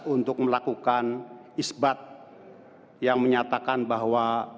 untuk melakukan isbat yang menyatakan bahwa